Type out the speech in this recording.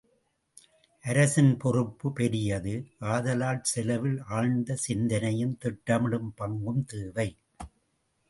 அரசின் பொறுப்பு பெரியது ஆதலால் செலவில் ஆழ்ந்த சிந்தனையும் திட்டமிடும் பாங்கும் தேவை.